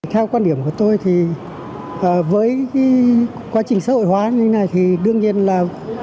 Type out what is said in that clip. theo quan điểm của tôi thì với quá trình xã hội hóa như thế này thì đương nhiên là